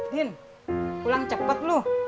din pulang cepet lu